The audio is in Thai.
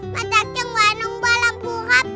มาจากจังหวายน้องบารัมภูครับ